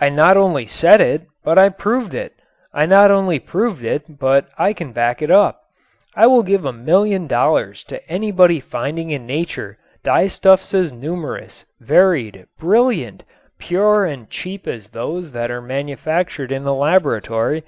I not only said it, but I proved it. I not only proved it, but I can back it up. I will give a million dollars to anybody finding in nature dyestuffs as numerous, varied, brilliant, pure and cheap as those that are manufactured in the laboratory.